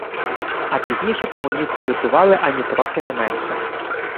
А пізніше комуністи лютували анітрохи не менше